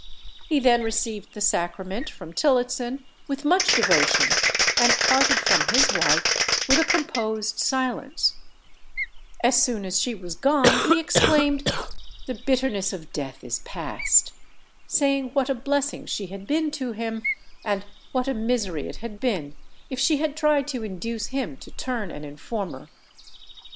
He then received the sacrament from Tillotson with much devotion, and parted from his wife with a composed silence; as soon as she was gone he exclaimed, "The bitterness of death is past," saying what a blessing she had been to him, and what a misery it had been if she had tried to induce him to turn an informer.